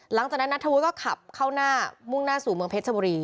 หลังจากนั้นนัทธวุทธก็ขับเข้าหน้ามุ่งหน้าสู่เมืองเพชรบุรี